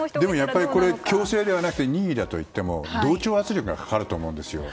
やっぱり強制ではなくて任意だといっても同調圧力がかかると思うんですよ。